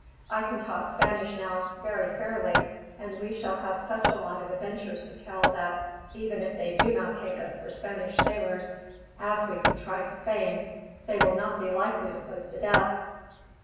I can talk Spanish now very fairly, and we shall have such a lot of adventures to tell that, even if they do not take us for Spanish sailors, as we can try to feign, they will not be likely to put us to death.